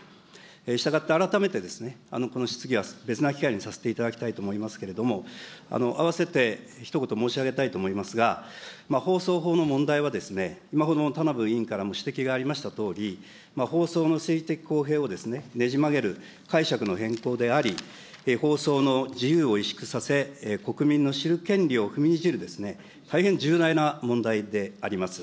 したがって、改めてこの質疑は別な機会にさせていただきたいと思いますけれども、あわせてひと言申し上げたいと思いますが、放送法の問題は今ほどの田名部委員からも指摘がありましたとおり、放送の政治的公平をねじ曲げる解釈の変更であり、放送の自由を萎縮させ、国民の知る権利を踏みにじる大変重大な問題であります。